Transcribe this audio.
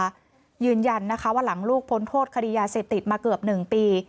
ตลอดเวลายืนยันนะคะว่าหลังลูกพ้นโทษคดียาเสพติดมาเกือบหนึ่งปี